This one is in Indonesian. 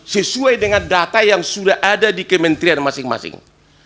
sesuai dengan data yang sudah ada di kementerian masing masing